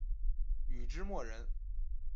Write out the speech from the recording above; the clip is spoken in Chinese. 禹之谟人。